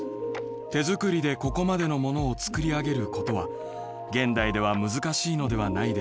手作りでここまでのものを作り上げることは現代では難しいのではないでしょうか。